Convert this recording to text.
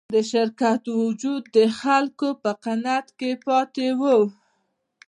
د شرکت وجود د خلکو په قناعت کې پاتې و.